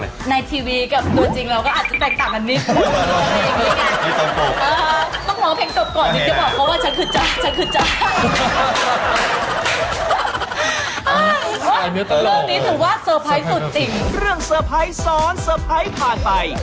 ในทีวีกับตัวจริงเราก็อาจจะแต่งต่างกันนิด